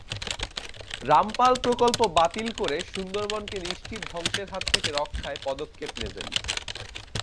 রামপাল প্রকল্প বাতিল করে সুন্দরবনকে নিশ্চিত ধ্বংসের হাত থেকে রক্ষায় পদক্ষেপ নেবেন।